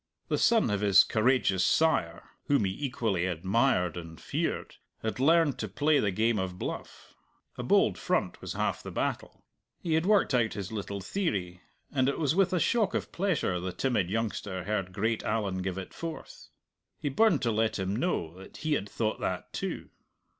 The son of his courageous sire (whom he equally admired and feared) had learned to play the game of bluff. A bold front was half the battle. He had worked out his little theory, and it was with a shock of pleasure the timid youngster heard great Allan give it forth. He burned to let him know that he had thought that too.